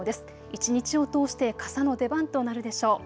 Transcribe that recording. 一日を通して傘の出番となるでしょう。